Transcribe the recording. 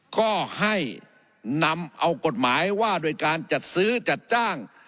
ก็ให้นำเอากฎหมายว่าโดยการจัดซื้อจัดจ้าง